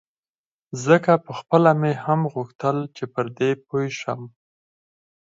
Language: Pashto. ځکه پخپله مې هم غوښتل چې پر دې پوی شم.